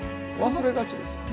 忘れがちですよ